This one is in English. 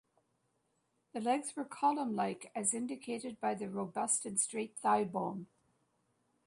The legs were column-like, as indicated by the robust and straight thigh bone.